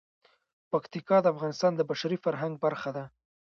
پکتیکا د افغانستان د بشري فرهنګ برخه ده.